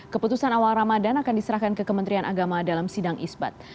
keputusan awal ramadan akan diserahkan ke kementerian agama dalam sidang isbat